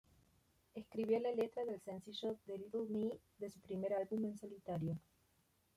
Escribió la letra del sencillo "The Little Me" de su primer álbum en solitario.